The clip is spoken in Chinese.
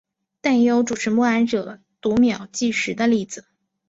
但也有主持默哀者读秒计时的例子。